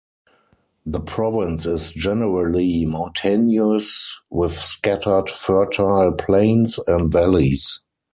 The province is generally mountainous with scattered fertile plains and valleys.